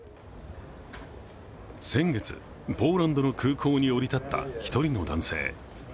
先月、ポーランドの空港に降り立った１人の男性。